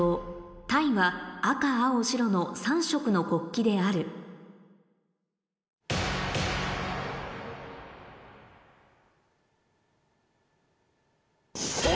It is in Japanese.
タイは赤青白の３色の国旗であるお！